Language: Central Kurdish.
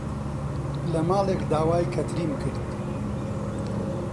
لە ماڵێک داوای کەتریم کرد.